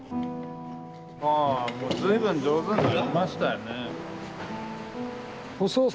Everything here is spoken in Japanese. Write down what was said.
わあもう随分上手になりましたよね。